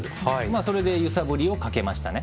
それで揺さぶりをかけましたね。